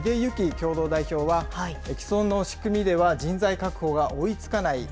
共同代表は、既存の仕組みでは人材確保が追いつかない。